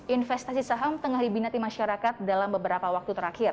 investasi saham tengah dibinati masyarakat dalam beberapa waktu terakhir